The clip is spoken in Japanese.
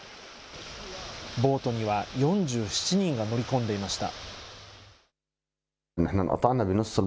ボートには４７人が乗り込んでいました。